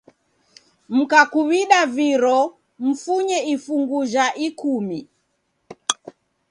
Mkakuw'ida viro, mfunye ifungu jha ikumi